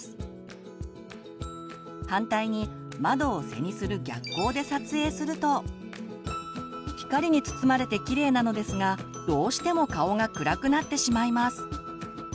反対に窓を背にする逆光で撮影すると光に包まれてきれいなのですがどうしても顔が暗くなってしまいます。